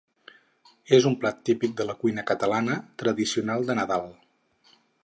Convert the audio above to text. És un plat típic de la cuina catalana, tradicional de Nadal.